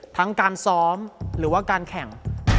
ทั้งการซ้อมหรือว่าการแข่ง